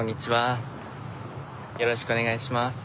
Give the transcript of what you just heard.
よろしくお願いします。